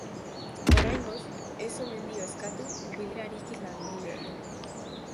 Oraingoz, ez omen dio eskatu bilerarik langileei.